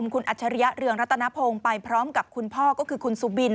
คุณอัจฉริยะเรืองรัตนพงศ์ไปพร้อมกับคุณพ่อก็คือคุณสุบิน